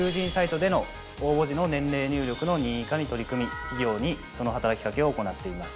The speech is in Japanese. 応募時の年齢入力の任意化に取り組み企業にその働きかけを行っています。